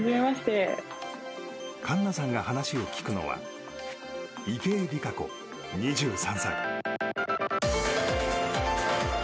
環奈さんが話を聞くのは池江璃花子、２３歳。